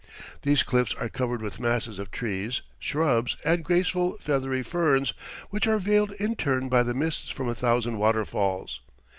These cliffs are covered with masses of trees, shrubs, and graceful, feathery ferns, which are veiled in turn by the mists from a thousand waterfalls.